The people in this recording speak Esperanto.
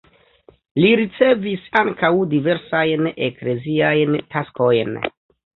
Li ricevis ankaŭ diversajn ekleziajn taskojn.